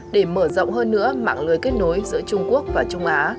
để mở rộng hơn nữa mạng lưới kết nối giữa trung quốc và trung á